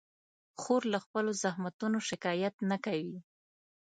خور له خپلو زحمتونو شکایت نه کوي.